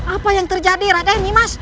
apa yang terjadi raden imas